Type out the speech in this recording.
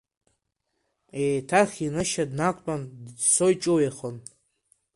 Еиҭах инышьа днақәтәан дыӡсо иҿыҩеихон.